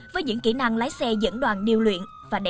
với những kỹ năng lái xe dẫn đoàn điều luyện